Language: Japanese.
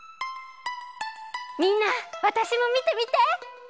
みんなわたしもみてみて！